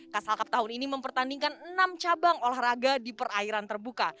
kasal cup tahun ini mempertandingkan enam cabang olahraga di perairan terbuka